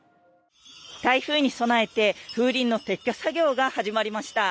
台風に備えて風鈴の撤去作業が始まりました。